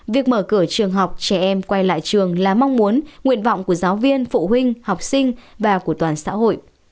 việc mở cửa trường học trẻ em quay lại trường là mong muốn nguyện vọng của giáo viên phụ huynh học sinh và của toàn xã hội